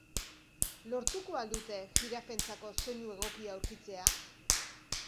Lortuko al dute jirafentzako soinu egokia aurkitzea?